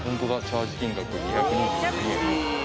チャージ金額２２２円。